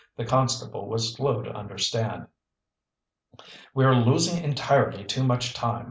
The constable was slow to understand. "We're losing entirely too much time!"